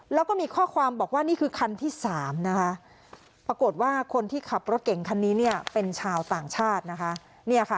แล้วก็มีข้อความบอกว่านี่คือคันที่๓นะคะปรากฏว่าคนที่ขับรถเก่งคันนี้เนี่ยเป็นชาวต่างชาตินะคะ